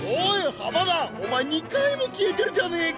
浜田お前２回も消えてるじゃねえか